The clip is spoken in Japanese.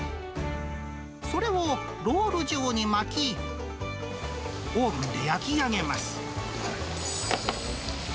それをロール状に巻き、オーブンで焼き上げます。